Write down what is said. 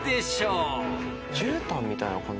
じゅうたんみたいな感じ。